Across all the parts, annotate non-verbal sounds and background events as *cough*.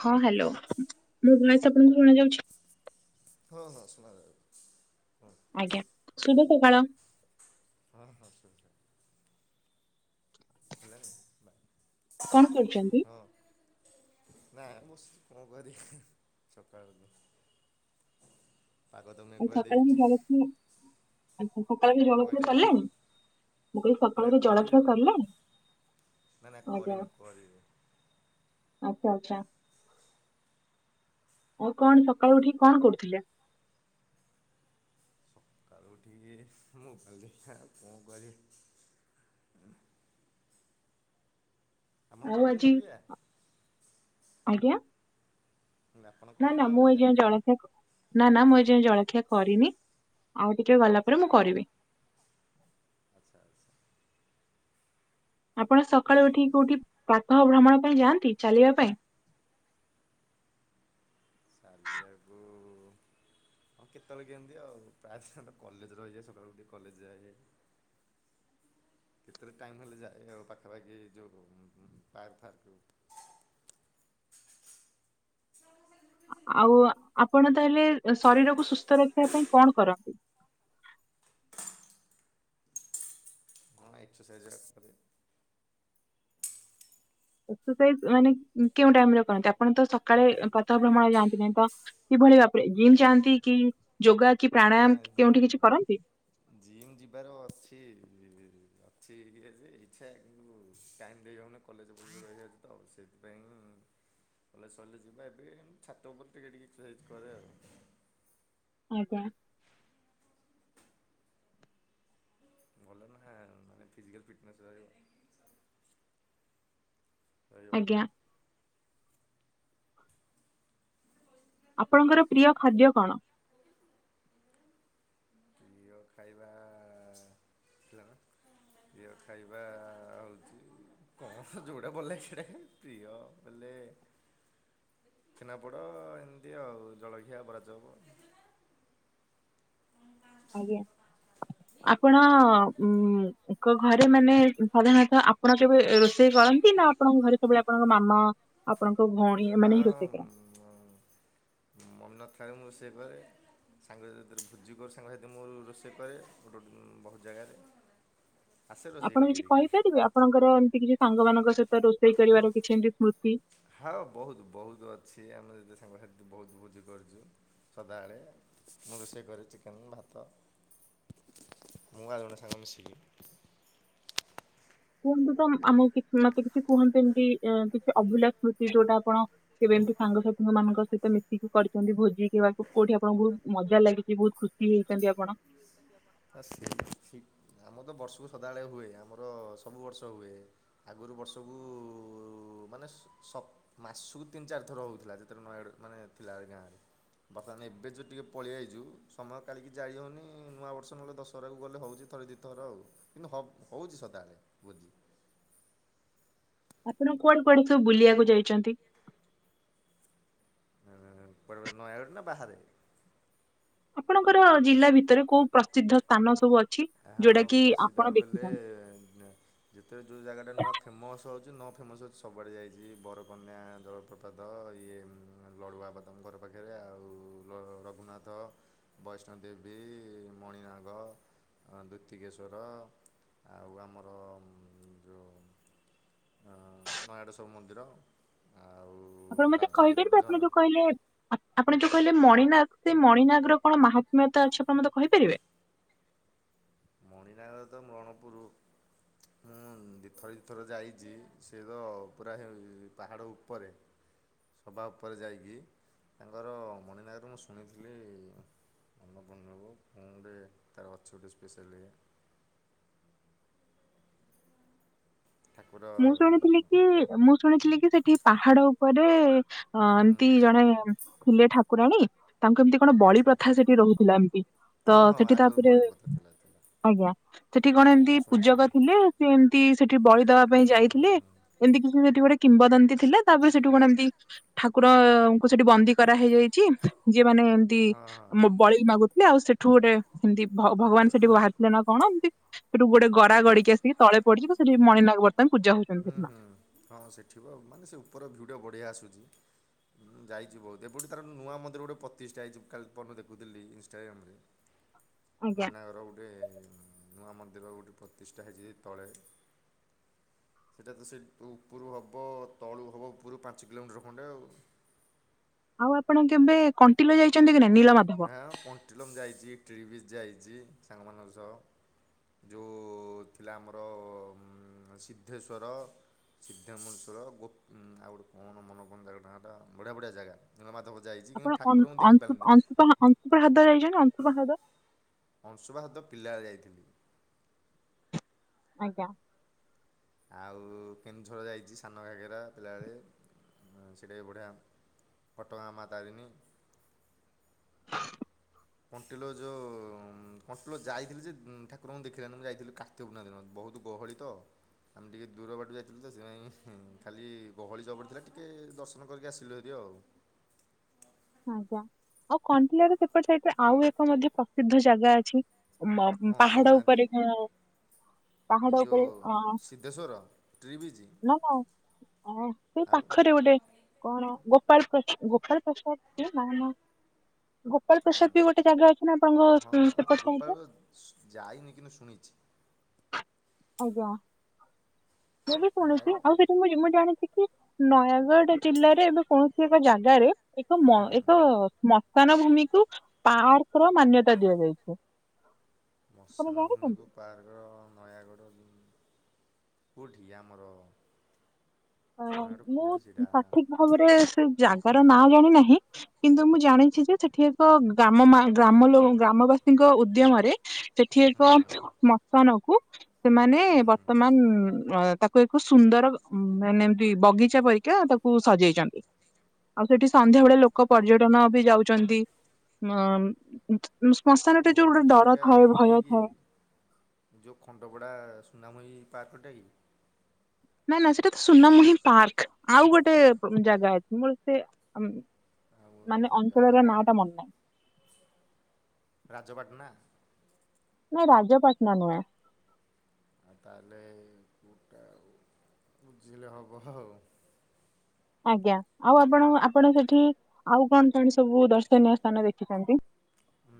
ହଁ ହାଲୋ, ମୋ ଭଏସ୍ ଆପଣଙ୍କୁ ଶୁଣଯାଉଛି? ହଁ-ହଁ ଶୁଣାଯାଉ ଆଜ୍ଞା, ଶୁଭ ସକାଳ। ହଁ-ହଁ ଶୁଭ। *inaudible* ହେଲା *inaudible* କଣ କରୁଛନ୍ତି? ନାଇଁ ମୁଁ କଣ କରିବି ସକାଳକୁ। ଆଜି ସକାଳୁ ମୁଁ *unintelligible* *inaudible* ସକାଳର କଣ ଜଳଖିଆ କହିଲେ ସରିଲାଣି ମୁଁ କହିଲି ହେରା ସକାଳର କରିବି ଜଳଖିଆ ଏବେ ସରିଲାଣି? ନା ନା ଆଜ୍ଞା କରିନି କରିବି। ଆଚ୍ଛା ଆଚ୍ଛା। ଆଉ କଣ ସକାଳୁ ଉଠିକି କଣ କରୁଥିଲେ? ସକାଳୁ ଉଠିକି ମୋବାଇଲ ଦେଖିବା ଆଉ କଣ କରିବି। ଆପଣ ଆଉ କଲେଣି ଆଜି ଜଳଖିଆ? ଆଜ୍ଞା? ଆପଣ ନା କଲେନି ନା ମୁଁ ଜଳଖିଆ ଏଯାଏଁ ଜଳଖିଆ କ ନା ନା ମୁଁ ଏଯାଏଁ ଜଳଖିଆ କରିନି। ଆଉ ଟିକେ ଗଲା ଆଚ୍ଛା ପରେ ମୁଁ କରିବି। ଆଚ୍ଛା ଆଚ୍ଛା। ଆପଣ ସକାଳୁ ଉଠିକି କୋଉଠି ପ୍ରାତଃ ଭ୍ରମଣ ପାଇଁ ଯାଆନ୍ତି ଚାଲିବା ପାଇଁ? ଚାଲିବାକୁ ହଁ କେତେବେଳେ କେମିତି ଆଉ ପ୍ରାୟ *inaudible* କଲେଜ ରହିଯାଏ ସକାଳୁ ଉଠି କଲେଜ ଯାଏ। କେତେବେଳେ ଟାଇମ ହେଲେ ଯାଏ ଆଉ ପାଖାପାଖି ଯୋଉ ପାର୍କ ଫାର୍କକୁ। ଆଉ ଆପଣ ତାହେଲେ ଶରୀରକୁ ସୁସ୍ଥ ରଖିବା ପାଇଁ କଣ କରନ୍ତି? ହୁଁ। ହଁ ଏକ୍ସରସାଇଜ୍ ଏକା କରେ। ଏକ୍ସରସାଇଜ୍ ମାନେ କେଉଁ ଟାଇମରେ କରନ୍ତି ଆପଣ ତ ସକାଳେ ପ୍ରାତଃ ଭ୍ରମଣ ଯାଆନ୍ତିନି ତ କିଭଳି ଭା *unintelligible* ଜିମ ଯାନ୍ତି କି ଯୋଗା କି ପ୍ରାଣାୟାମ କି କେଉଁଠି ନାଇଁ କିଛି କରନ୍ତି? ଜିମ୍ ଯିବାର ଅଛି। *inaudible* ଅଛି ଯେ ଇଚ୍ଛା କିନ୍ତୁ ଟାଇମ ଦେଇହୋଉନ କଲେଜ *unintelligible* ରହିଯାଉଛି ତ ସେଇଥିପାଇଁ କଲେଜ୍ ସରିଲେ ଯିବା ଏବେ ଛାତ ଉପରେ ଟିକେ ଟିକେ ଏକ୍ସରସାଇଜ କରେ ଆଉ। ଆଜ୍ଞା। ଗଲେ ମାନେ ମାନେ ଫିଜିକାଲ୍ ଫିଟନେସ୍ ରହିବ। ରହିବ ଆଜ୍ଞା। ଆପଣଙ୍କର ପ୍ରିୟ ଖାଦ୍ୟ କଣ? ପ୍ରିୟ ଖାଇବା ଥିଲା ନା ପ୍ରିୟ ଖାଇବା ହୋଉଛି। କଣ ଯୋଉଟା ଭଲ ଲାଗେ ସେଟା ଖାଇବି ପ୍ରିୟ ବୋଲେ ଛେନାପୋଡୋ ଏମିତି ଆଉ ଜଳଖିଆ ବରା ଚପ୍। ଆଜ୍ଞା। ଆପଣ ଉଁ ଏକ ଘରେ ମାନେ ସାଧାରଣତଃ ଆପଣ କେବେ ରୋଷେଇ କ କରନ୍ତି ନା ଆପଣଙ୍କ ଘରେ ସବୁବେଳେ ଆପଣଙ୍କ ମାମା ଆପଣଙ୍କ ଭଉଣୀ ହାଁ ଏମାନେ ହିଁ ରୋଷେଇ କରନ୍ତି ଅମ୍ ମନ ଥାଏ ମୁଁ ରୋଷେଇ କରେ ସାଙ୍ଗସାଥିରେ ଭୋଜି କରୁ ସାଙ୍ଗସାଥି ମୁଁ ରୋଷେଇ କରେ ଗୋ ଉଁ ବୋହୁତ ଜାଗାରେ। ଆସେ ରୋଷେଇ ଆପଣ ଟିକେ କିଛି ଟିକେ କହିପାରିବେ ଆପଣଙ୍କର ଏମିତି କିଛି ସାଙ୍ଗ ମାନଙ୍କ ସହିତ ରୋଷେଇ କରିବାର କିଛି ଏମିତି ସ୍ମୃତି। ହଁ ବୋହୁତ ବୋହୁତ ଅଛି ଆମେ ଯଦି ସାଙ୍ଗ ସାଥି ବୋହୁତ ଭୋଜି କରିଚୁ। ସଦାବେଳେ ମୁଁ ରୋଷେଇ କରେ ଚିକେନ୍ ଭାତ। ମୁଁ ଆଉ ଜଣେ ସାଙ୍ଗ ମିଶିକି। କୁହନ୍ତୁ ତ ଆମକୁ କିଛି ମତେ କିଛି କୁହନ୍ତୁ ଏମିତି ଅଁ କିଛି ଅଭୁଲା ସ୍ମୃତି ଯୋଉଟା ଆପଣ କେବେ ଯେମିତି ସାଙ୍ଗସାଥି ମାନଙ୍କ ସହିତ ମିଶିକି କରିଛନ୍ତି ଭୋ *unintelligible* କୋଉଠି ଆପଣଙ୍କୁ ବୋହୁତୁ ବହୁତ ମଜା ଖୁସି ହେଇଛନ୍ତି ଲାଗିଥିବ। ଆପଣ *unintelligible* ଆମର ତ ବର୍ଷୁକୁ ସଦାବେଳେ ହୁଏ ଆମର ସବୁ ବର୍ଷ ହୁଏ ଆଗୁରୁ ବର୍ଷକୁ ମାନେ ସ ସପ୍ ମାସୁକୁ ତିନି ଚାରି ଥର ହୋଉଥିଲା ଯେତେବେଳେ ନୟାଗଡ଼ ମାନେ ଥିଲା ଗାଁ ରେ। ବର୍ତ୍ତମାନ ଏବେ ଯୋଉ ଟିକେ ପଳେଇଆଇଚୁ ସମୟ କାଲିକି ଯାଇହୋଉନି ନୂଆ ବର୍ଷ ନହେଲେ ଦଶହରାକୁ ଗଲେ ହୋଉଚି ଥରେ ଦି ଥର ଆଉ କିନ୍ତୁ ହ ହୋଉଚି ସଦାବେଳେ ଭୋଜୀ। *inaudible* ଆପଣ କୁଆଡେ କୁଆଡେ ସବୁ ବୁଲିବାକୁ ଯାଇଚନ୍ତି? ଏଁ କୁଆଡ଼େ କୁଆଡ଼େ ନୟାଗଡ଼ ନା ବାହାରେ। ଆପଣଙ୍କର ଜିଲ୍ଲା ଭିତରେ କୋଉ ପ୍ରସିଦ୍ଧ ସ୍ଥାନ ସବୁ ଅଛି ଯୋଉଟା ଆଉ କି ପ୍ରସିଧା ଆପଣ ବେଲେ ଦେଖିଛନ୍ତି ଯେତେବେଳେ ଯେଉଁ ଜାଗାଟା ନୂଆ ଫେମସ୍ ହୋଉଚି ନ ଫେମସ୍ ଅଛି ସବୁଆଡ଼େ ଯାଇଚି ବରକନ୍ୟା ଜଳପ୍ରପାତ ଇଏ ଲଡୁବାବା ତମ ଘର ପାଖରେ ଆଉ ଯୋଉ ର ରଘୁନାଥ ବୈଷ୍ଣଦେବୀ ମଣିନାଗ। ଅଁ ଦୁତିକେଶ୍ଵର ଆଉ ଆମର ଯେଉଁ ଅଁ ନୟାଗଡ଼ର ସବୁ ମନ୍ଦିର ଆଉ ଆପଣ ମତେ ରାଜଗିରି କହିପାରିବେ ଗୋଟେ ଝର ଆପଣ ଯୋଉ କହିଲେ ଆ ଆପଣ ଯୋଉ କହିଲେ ମଣିନାଗ ସେ ମଣିନାଗର କଣ ମହାତ୍ମ୍ୟତା ଅଛି ଆପଣ ମତେ କହିପାରିବେ? ନାଗର ତ ମଣପୂରୁ। ମୁଁ ଦି ଥର ଦି ଥର ଯାଇଛି ସେଏ ତ ପୁରା ହେ ପାହାଡ଼ ଉପରେ? ସଭା ଉପରେ ଯାଇକି ତାଙ୍କର ମଣିନାଗ ମୁଁ ଶୁଣିଥିଲି *unintelligible* କଣ ଗୋଟେ ତାର ଅଛି ଗୋଟେ ସ୍ପେସିଆଲ ଇଏ। ଠାକୁର ମୁଁ ଶୁଣିଥିଲି କି ମୁଁ ଶୁଣିଥିଲି କି ସେଠି ପାହାଡ ଉପରେ ଅଁ ହୁଁ ଏମିତି ଜଣେ ଥିଲେ ଠାକୁରାଣୀ ତାଙ୍କୁ ଏମିତି କଣ ଆଚ୍ଛା ବଳି ଆଚ୍ଛା ପ୍ରଥା ସେଠି ରୋହୁଥିଲା ଏମିତି ହଁ ତ ହଁ ସେଠି ଆଗରୁ ତାପରେ ବଳିପଥା ଥିଲା ଥିଲା ଆଜ୍ଞା ସେଠି କଣ ଏମିତି ମୁଁ ପୂଜକ ଶୁଣିଥିଲି ଥିଲେ ସେ ଏମିତି ସେଠି ବଳି ଦବା ପାଇଁ ହୁଁ ହୁଁ ଯାଇଥିଲେ। ହୁଁ ଏମିତି କିଛି ସେଠି ଗୋଟେ କିମ୍ବଦନ୍ତୀ ଥିଲା ତାପରେ ସେଠୁ କଣ ଏମିତି ଠାକୁରଙ୍କୁ ସେଠି ବନ୍ଦୀ କରା ହେଇଯାଇ ଚି ଯିଏ ମାନେ ଏମିତି ହଁ ହଁ ମୋ ବଳି ମାଗୁ ଲେ ଆଉ ସେଠୁ ଗୋଟେ ଏମିତି ଭ ଭଗବାନ ସେଠି ବାହାରିଥିଲେ ନା କଣ ଏମିତି ସେଠୁ ଗୋଟେ ଗରା ଗଡିକି ଆସିକି ତଳେ ପଡିିଜୀବ ସେଠ ମଣିନାାଗ ହୁଁ ହୁଁ ହଁ ସେଠିବ ମାନେ ସେ ଉପର ଭିୟୁ ଟା ବଢିଆ ଆସୁଚି। ହୁଁ ଯାଇଛି ବହୁତ ଏପଟେ ତାର ନୂଆ ମନ୍ଦିରେ ଗୋଟେ ପତିଷ୍ଟା ହେଇଛି ମୁଁ କାଲି ପରଦିନ ଦେଖୁଥିଲି ଇନଷ୍ଟାଗ୍ରାମ ରେ। ଆଜ୍ଞା ମୁନାଗର ଗଟେ ନୂଆ ମନ୍ଦିର ଗୋଟେ ପତିଷ୍ଠା ହେଇଛି ଯେ ତଳେ ସେଇଟା ତ ସେ ଉପରୁ ହବ ତଳୁ ହବ ଉପରୁ ପାଞ୍ଚ କିଲୋମିଟର ଖଣ୍ଡେ ଆଉ? ଉ ଆପଣ କେବେ କଣ୍ଟିଲ ଯାଇଛନ୍ତି କି ନାଇଁ? ନୀଳମାଧବ? ଆଁ କଣ୍ଟିଲୋମ ଯାଇଚି ଟ୍ରିବିଜ ଯାଇଚି ସାଙ୍ଗ ମାନଙ୍କ ସହ। ଯୋଉ ଥିଲା ଆମର ସିଦ୍ଧେଶ୍ଵର। ସିଦ୍ଧାମଶଳ ଗୋ ଆଉ ଗୋଟେ କଣ ମନ ପଡୁନି ତାଙ୍କ ନାଁ ଟା ବଢିଆ ବଢିଆ ଜାଗା ନୀଳମାଧବ ଯାଇଚି କିନ୍ତୁ ଆପଣ ଅନ୍ ଠାକୁରଙ୍କୁ ଅଂଶୁ ଦେଖିପାରନ୍ତିନି। ଅଂଶୁପା ଅଂଶୁପା ହ୍ରଦ ଯାଇଛନ୍ତି ଅଂଶୁପା ହ୍ରଦ? ଅଂଶୁପା ହ୍ରଦ ପିଲାଳେ ଯାଇଥିଲି। ଆଜ୍ଞା। ଆଉ କେନ୍ଦୁଝର ଯାଇଚି ସାନ ଘାଗେରା ପିଲାବେଳେ। ହଁ, ସେଇଟା ବି ବଢିଆ ଘଟଗାଁ ମା ତାରିଣୀ। କଣ୍ଟିଲ ଯୋଉ କଣ୍ଟିଲ ଯାଇଥିଲି ଯେ ଠାକୁରଙ୍କୁ ଦେଖିହେଲାନି, ମୁଁ ଯାଇଥିଲି କାର୍ତ୍ତିକ ପୂର୍ଣ୍ଣିମା ଦିନ ବହୁତ ଗହଳି ତ ଆମେ ଟିକେ ଦୂର ବାଟ ଯାଇଥିଲୁ ତ ସେଥିପାଇଁ ଖାଲି ଗହଳି ଜବର ଥିଲା ଟିକେ ଦର୍ଶନ କରିକି ଆସିଲୁ ହେରି ଆଉ। ଆଜ୍ଞା ଆଉ କଣ୍ଟିଲର ସେପଟେ ସାଇଟରେ ଆଉ ଏକ ମଧ୍ୟ ପ୍ରସିଦ୍ଧ ଜାଗା ଅଛି। ମଁ ହଁ ପାହାଡ କହୁନାହାନ୍ତି ଉପରେ କଣ? ଏ ଯେଉ ସିଦ୍ଧେଶ୍ୱର, ଟ୍ରି ବ୍ରିଜ? ଓ ସେ ପାଖରେ ଗୋଟେ କଣ ଗୋପାଳ ପ୍ରସା ଗୋପାଳ ପ୍ରସାଦ ସେଇଟା ନା ନା ଗୋପାଳ ପ୍ରସାଦ ବି ଗୋଟେ ଜାଗା ଅଛି ନା ଆପଣଙ୍କ ହଁ ସେପଟ ଗୋପାଳ ସାଇଟରେ? ଯାଇନି କିନ୍ତୁ ଶୁଣିଛି ଆଜ୍ଞା। ମୁଁ ବି ଶୁଣୁଚି ନୟାଗଡ଼ ଆଉ ସେଠି ମୁଁ ମୁଁ ଜାଣିଚିକି କି ନୟାଗଡ଼ ଜିଲ୍ଲାରେ ଏବେ କୌଣସି ଏକ ଜାଗାରେ ଏକ ମ ହୁଁ ଏକ ମ ଜନ୍ମଭୂମିକୁ ପାର୍କ ର ମାନ୍ୟତା ଦିଆଯାଇଛି। ଆପଣ ମସାନ ଭୂମିକୁୁ ଜାଣିଛନ୍ତି? ପାର୍କ ନୟାଗଡ଼ କୋଉଠି ଆମର? ଅ ନୟାଗଡ଼ ମୁଁ କେଉଁଠି ସେଇଟା ସଠିକ ଭାବରେ ସେ ଜାଗାର ନାଁ ଜାଣି ନାହିଁ। କିନ୍ତୁ ମୁଁ ଜାଣିଛି ଯେ ସେଠି ଏକ ଗ୍ରାମ ମା ଗ୍ରମ ଲୋ ଗ୍ରାମବାସୀଙ୍କ ଉଦ୍ୟମରେ ସେଠି ହୁଁ ଏକ ହୁଁ ମଟନକୁ ସେମାନେ ହୁଁ ହୁଁ ବର୍ତ୍ତମାନ ତାକୁ ଏକ ସୁନ୍ଦର ମାନେ ଏମତି ବଗିଚା ପରିକା ତାକୁ ସଜେଇଛନ୍ତି। ଆଉ ସେଠି ସନ୍ଧ୍ୟାବେଳେ ଲୋକ ପର୍ଯ୍ୟଟନ ବି ଯାଉଛନ୍ତି ଉ ଓ ସେଇଟା ଇଏ କି ଥାଏ ଯଉଁ ଖଣ୍ଡପଡ଼ା ସୁନାମହି ପାର୍କଟେଇ ନାଇଁ ନା ସେଇଟା ତ ସୁନାମହିନ ପାର୍କ, ଆଉ ଗୋଟେ ଜାଗା ଅଛି ମୋର ସେ ଆଉ ମାନେ ଜାଗା ଅଞ୍ଚଳର ନାଁ ନଅଟା ମନ। ରାଜପାଟଣା। ନାଇଁ ରାଜା ପାଟନା ନୁଏଁ। ଆଉ ତାହେଲେ କୋଉଟା ବୁଝିଲେ ହବ ଆଉ ଆଜ୍ଞା ଆଉ ଆପଣ ଆପଣ ସେଠି ଆଉ କଣ କଣ ସବୁ ଦର୍ଶନୀୟ ସ୍ଥାନ ଦେଖିଛନ୍ତି?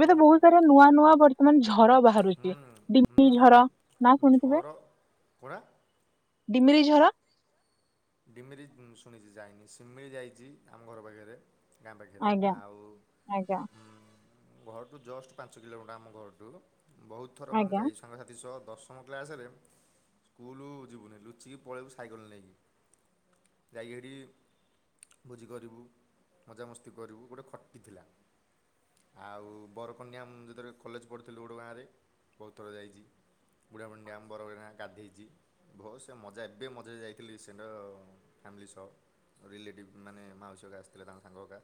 ଏବେ ତ ବହୁତ ସାରା ନୂଆ ନୂଆ ବର୍ତ୍ତମାନ୍ ଝର ବାହାରୁଛି ଡିଙ୍ଗି ଝର ନା ଶୁଣିୁଥିବେ? ଝର କଣ ଡିମିରି ଝର ଡିମିରି ଶୁଣିଛି ଯାଇନି ସିମିଳି ଯାଇଛି ଆମ ଘର ପାଖରେ। ଗାଁ ପାଖରେ ଆଜ୍ଞା ଆଉ ଆଜ୍ଞା ହୁଁ। ଘରଠୁ ଜଷ୍ଟ ପାଞ୍ଚ କିଲୋମିଟର ଆମ ଘରଠୁ ବହୁତ ଥର ମାନେ ଆଜ୍ଞା ଯାଇଛୁ ସାଙ୍ଗସାଥି ସହ। ଦଶମ କ୍ଲାସରେ ସ୍କୁଲ ଯିବୁନି ଲୁଚିକି ପଳେଇବୁ ସାଇକେଲ ନେଇକି। ଯାଇକି ହେଟି ଭୋଜି କରିବୁ ମଜାମସ୍ତି କରିବୁ ଗୋଟିେ ଖଟି ଥିଲା। ଆଉ ବରକନ୍ୟା ମୁ ଯେତେବେଳେ କଲେଜ୍ ପଢଥିଲୁ ଗୋଡ଼ ଗାଁରେ ବହୁତ ଥର ଯାଇଛି। ବୁଢା ମୁଣ୍ଡିଆ ବରଗ ଗାଧେଇଛି ବହୁତ ସେ ମଜା ଏବେ ମଜା ଯାଇଥିଲି ସେଣ୍ଡ ଫ୍ୟାମିଲି ସହ ରିଲେଟିଭ୍ ମାନେ ମାଉସୀ ହରିକା ଆସିଥିଲେ ତାଙ୍କ ସାଙ୍ଗ ହରିକା।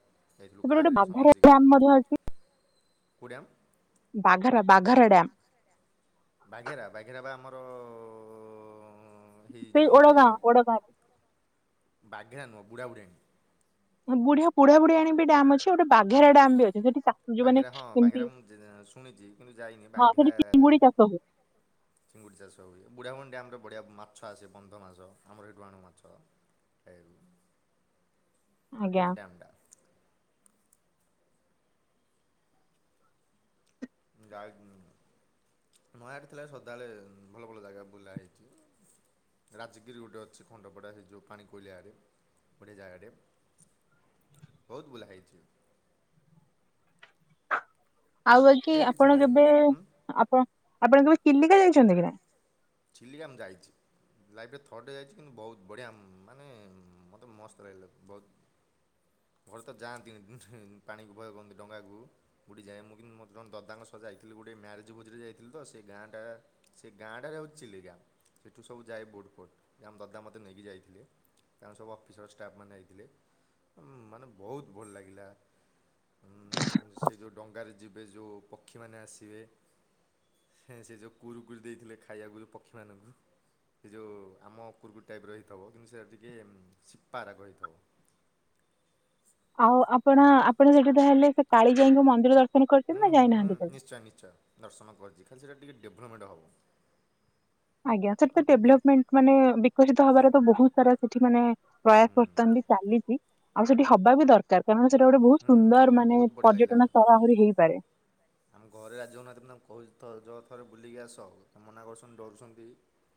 ତାପରେ ଗୋଟେ ବାଧାଡେ ଥିଲା ଆମଆଡ଼େ ଅଛି। କୋଉ ଡ୍ୟାମ୍? ବାଘାରା ବାଘାରା ଡ୍ୟମ୍? ବାଘେରା ବାଘେରା ବା ଆମର ହେଇ ନାଇଁ ଯେଉଁ ଇଏ ଓଡ଼ଗା ଓଡ଼ଗା। ହେ ନୁବୁଡ଼ା ବୁଡେଇନୁ। ବୁଢିଆ ବୁଢା ବୁଢିଆଣି ବି ଡ୍ୟାମ୍ ଅଛି। ଗୋଟେ ବାଘେରା ଡ୍ୟାମ୍ ବି ଅଛି ସେଠି ଚାଷ ଯୋଉମାନେ ବାଘିରା ହଁ ଏମିତି ବାଘେରା ମୁଁ ଶୁଣିଚି କିନ୍ତୁ ଯାଇନି ହଁ ବାଘିରା ସେଠି ଚିଙ୍ଗୁଡି ଚାଷ ହୁଏ ଚିଙ୍ଗୁଡି ଚାଷ ହୁଏ ବୁଢା ମଣି ଡ୍ୟାମ ଡମ ବଢ଼ିଆ ମାଛ ଆସେ ବନ୍ଧ ମାଛ ଆମର ହେଟୁ ଆଣୁ ମାଛ ଖାଇବାକୁ। ଭଲ ଆଜ୍ଞା ଡ୍ୟାମ୍ ଟା। ଯାଇ ନୟାଠ ଥିଲା ସଦାବେଳେ ଭଲ ଭଲ ଜାଗା ବୁଲା ହେଇଛି। ରାଜଗିରି ଗୋଟେ ଅଛି ଖଣ୍ଡପଡ଼ା ହେଇ ଯୋଉ ପାଣି କୋଇଲି ଆଡେ ବଢ଼ଆ ଜାଗାଟେ। ବହୁତ ବୁଲା ହେଇଛି। ଆଉ ବାକି କିଛି ଆପଣ ନାହିଁ କେବେ ଆପଣ ଆପଣ କେବେ ଚିଲିକା ଜାଇଛନ୍ତି କି ନାଇଁ? ଚିଲିକା ମୁଁ ଯାାଇଛି। ଲାଇଫରେ ଥରଟେ ଯାଇଛି କିନ୍ତୁ ବହୁତ ବଢିଆ ମାନେ ମତେ ମସ୍ତ ଲାଗିଲା ବହୁତ। ଘରେ ତ ଯାଆନ୍ତିନି ପାଣିକୁ ଭୟ କରନ୍ତି ଡଙ୍ଗାକୁ ବୁଡ଼ି ଯାଏ। ମୁଁ କିନ୍ତୁ ମୋର ଜଣେ ଦାଦାଙ୍କ ସହ ଯାଇଥିଲି ଗୋ। ଗୋଟେ ମ୍ୟାରେଜ ଭୋଜରେ ଯାଇଥିଲ ତ ସେ ଗାଁ ଟା ସେ ଗାଁଟାରେ ହଉଛି। ଚିଲିକା ସେଠୁ ସବୁ ଯାଏ ବୋଟଫୋଟ ଜଣେ ଦଦା ମତେ ନେଇକି ଯାଇଥିଲେ। ତାଙ୍କ ସବୁ ଅଫିସର ଷ୍ଟାଫ୍ ମାନେ ଯାଇଥିଲେ। ମାନେ ବହୁତ ଭଲ ଲାଗିଲା। ଉ ସେ ଯୋଉ ଡଙ୍ଗାରେ ଯିବେ ଯୋଉ ପକ୍ଷୀମାନେ ଆସିବେ। ସେ ଯୋଉ କୁରୁକୁରି ଦେଇଥିଲେ ଖାଇବାକୁ ଯୋଉ ପକ୍ଷୀ ମାନଙ୍କୁ। ସେ ଯୋଉ ଆମ କୁୁରକୁରି ଟାଇପର ହେଇଥିବ। କିନ୍ତୁ ସେଟା ଟିକେ ସିପା ରାଗ ହେଇଥିବ। ଆଉ ଆପଣ ଆପଣ ସେଠି ତାହେଲେ ସେ କାଳିଜାଇଙ୍କ ମନ୍ଦିର ଦର୍ଶ ହୁଁ ହୁଁ ହୁଁ ନିଶ୍ଚୟ ନିଶ୍ଚୟ ଦର୍ଶନ କରିଛି। ଖାଲି ସେଇଟା ଟିକେ ଡେଭଲପମେଣ୍ଟ ହବ। ଆଜ୍ଞା। ସେଠି ତ ଡେଲପମେଣ୍ଟ ମାନେ ବିକଶିତ ହବାର ତ ବହୁତ ସାରା ସେଠି ମାନେ ପ୍ରୟାସ କରିଥାନ୍ତି। ଚାଲିଛି ଆଉ ସେଠି ହବା ବି ଦରକାର କାରଣ ସେଟା ଗୋଟେ ବହୁତ ସୁନ୍ଦର ହୁଁ ମାନେ ବହୁତ ପର୍ଯ୍ୟଟନ ସ୍ଥଳ ଆହୁରି ହେଇପାରେ। ଆମେ ଘରେ ରାଜି ହଉନାହାନ୍ତି। ମୁଁ ତାଙ୍କୁ କହୁଚି ଥରେ ବୁଲିକି ଆସ। ସେ ମନା କରୁଛନ୍ତି ଡରୁଛନ୍ତି।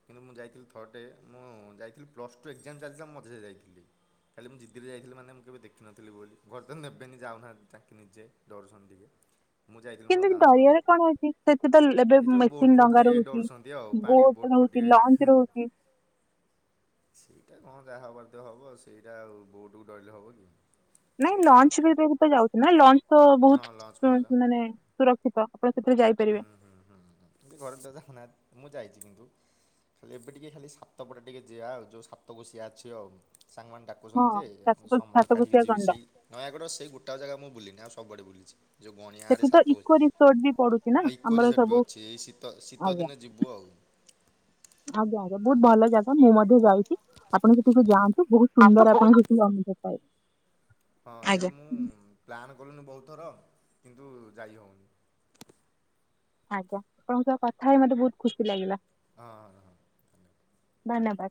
କିନ୍ତୁ ମୁଁ ଯାଇଥିଲି ଥରଟେ ମୁଁ ଯାଇଥିଲି ପ୍ଲସ୍ ଟୁ ଏକ୍ଜାମ ଚାଲିଥିଲା ମୁଁ ମଝିରେ ଯାଇଥିଲି। ଖାଲି ମୁଁ ଜିଦିରେ ଯାଇଥିଲି ମାନେ ମୁଁ କେବେ ଦେଖିନଥିଲି ବୋଲି। ଘରେ ତ ନେବେନି ଯାଉନାହାନ୍ତି ନିଜେ ଡରୁଛନ୍ତି ଟିକେ। ମୁଁ ଯାଇଥିଲି ମୋ କିନ୍ତୁ ଦାଦାଙ୍କ ସହ ଡରିବାରେ କଣ ଅଛି। ସେଠି ତ ଏବେ ଏ ଯେଉଁ ବୋଟ୍ ମେସିନ ଫୋଟ୍ ଡଙ୍ଗା ଟିକେ ରହୁଛି ଡରୁଛନ୍ତି ଆଉ ପାଣି ବୋଟ ବୋଟ୍ ରହୁ ଫୋଟ୍ ଚି। ଟିକେ ଲଞ୍ଚ ରହୁଛି। ସେଇଟା କଣ ଯାହା ହେବାର ଥିବ ହବ। ସେଇଟା ଆଉ ବୋଟକୁ ଡରିଲେ ହବ କି। ନାଇଁ ଲଞ୍ଚ ବି ଏବେ ବି ତ ଯାଉଛି ନା ଲଞ୍ଚ ତ ହଁ ଲଞ୍ଚ ବହୁତ ଫଞ୍ଚ ମାନେ ସୁରକ୍ଷିତ ଆପଣ ସେଥିରେ ଯାଇପାରିବେ। ଏମିତି ଘରେ ତ ମୁଁ ଯାଇ କିନ୍ତୁ ଖାଲି ଏବେ ଟିକେ ଖାଲି ସାତପଡା ଟିକେ ଯିଆ ଆଉ ଯୋଉ ସପାକୋସିଆ ଅଛି ଆଉ। ସାଙ୍ଗମାନେ ହଁ ଡାକୁଛନ୍ତି ଯେ ସାତ ସମୟ କାଢ଼ିକି ସାତକୋଶିଆ ଯିବି ଗଣ୍ଡ ସେଇ ନୟାଗଡ଼ ସେଇ ଗୋଟା ଜାଗା ମୁଁ ବୁଲିିନି ଆଉ ସବୁ ସବୁଆଡେ ବୁଲିଛି। ଯୋଉ ଗଣିଆରେ ସେଠି ତ ସାତ ଇକୋ ରିସୋର୍ଟ ବି ପଡୁଛି ନା ଆଉ ଇକୋ ଆମର ରିଜର୍ଟ ବି ସବୁ ଅଛି। ଏଇ ଶୀତ ଶୀତ ଆଜ୍ଞା ଦିନେ ଯିବୁ ଆଉ। ଆଜ୍ଞା ଆଜ୍ଞା ବହୁତ ଭଲ। ଜାଗା ମୁଁ ମଧ୍ୟ ଯାଇଛି ଆପଣ ସେଠିକୁ ଯାଆନ୍ତୁ ବହୁତ ଆଉ ତ ସୁନ୍ଦର ବହୁତ ଆପଣ ସେଠିକି ଅନୁଭବ ପାଇବେ। ହଁ ସେଇଠି ଆଜ୍ଞା ମୁଁ ପ୍ଲାନ କଲିଣି ବହୁତ ଥର କିନ୍ତୁ ଯାଇ ହଉନି। ଆଜ୍ଞା ଆପଣଙ୍କ ସହ କଥା ହେଇ ମତେ ବହୁତ ଖୁସି ଲାଗିଲା। ଅଁ। ଧନ୍ୟବାଦ।